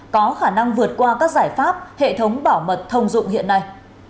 có khả năng vượt qua các giải pháp hệ thống bảo mật thông dụng hiện nay